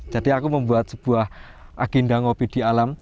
jadi aku membuat sebuah agenda ngopi di alam